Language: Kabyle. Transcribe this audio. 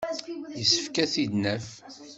Yessefk ad t-id-naf.